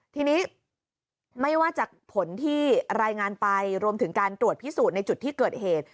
ทีนี้ไม่ว่าจากผลที่รายงานไปรวมถึงการตรวจพิสูจน์ในจุดที่เกิดเหตุ